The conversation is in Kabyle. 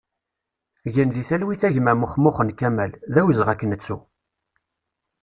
Gen di talwit a gma Maxmuxen Kamal, d awezɣi ad k-nettu!